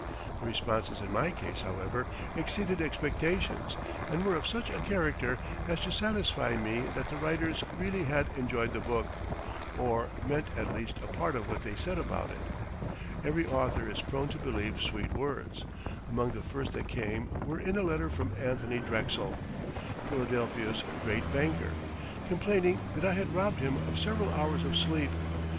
The responses in my case, however, exceeded expectations, and were of such a character as to satisfy me that the writers really had enjoyed the book, or meant at least a part of what they said about it. Every author is prone to believe sweet words. Among the first that came were in a letter from Anthony Drexel, Philadelphia's great banker, complaining that I had robbed him of several hours of sleep.